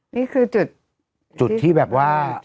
นี่คือจุดที่แบบว่า